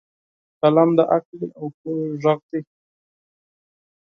قلم د عقل او پوهې غږ دی